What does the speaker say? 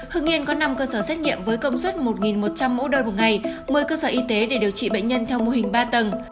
hưng yên có năm cơ sở xét nghiệm với công suất một một trăm linh mẫu đơn một ngày một mươi cơ sở y tế để điều trị bệnh nhân theo mô hình ba tầng